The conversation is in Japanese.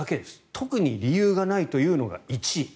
特に理由がないというのが１位。